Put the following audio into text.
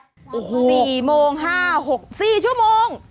อันนี้โหสี่โมงห้าหกสี่ชั่วโมง